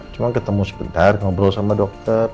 cuma ketemu sebentar ngobrol sama dokter